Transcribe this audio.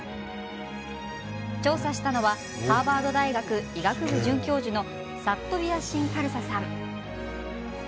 調査したのはハーバード大学医学部准教授のサット・ビア・シン・カルサさん。